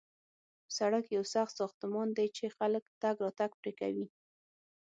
سړک یو سخت ساختمان دی چې خلک تګ راتګ پرې کوي